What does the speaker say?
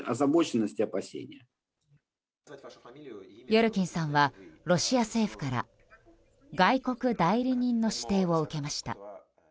ヨルキンさんはロシア政府から外国代理人の指定を受けました。